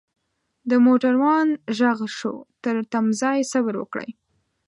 دموټروان ږغ شو ترتمځای صبروکړئ.